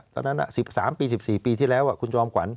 ตอนนั้น๑๓ปี๑๔ปีที่แล้วคุณจอมขวัญ